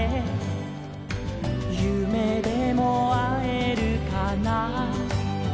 「ゆめでもあえるかな」